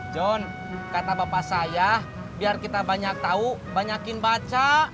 john kata bapak saya biar kita banyak tahu banyakin baca